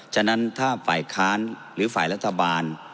ฉะนั้นถ้าฝ่ายค้านหรือฝ่ายรัฐบาล